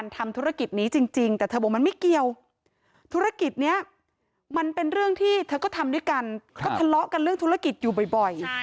ธุรกิจนี้มันเป็นเรื่องที่เธอก็ทำด้วยกันเขาทะเลาะกันเรื่องธุรกิจอยู่บ่อย